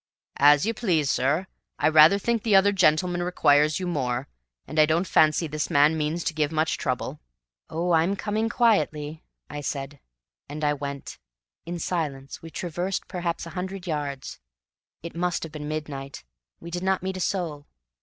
"As you please, sir. I rather think the other gentleman requires you more, and I don't fancy this young man means to give much trouble." "Oh, I'm coming quietly," I said. And I went. In silence we traversed perhaps a hundred yards. It must have been midnight. We did not meet a soul.